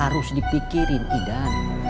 harus dipikirin idan